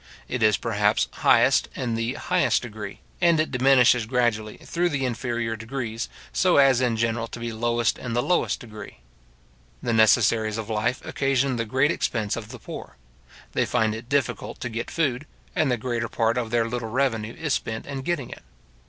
It is, perhaps, highest in the highest degree, and it diminishes gradually through the inferior degrees, so as in general to be lowest in the lowest degree. The necessaries of life occasion the great expense of the poor. They find it difficult to get food, and the greater part of their little revenue is spent in getting it.